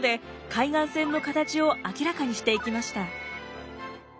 海岸線の形を明らかにしていきました。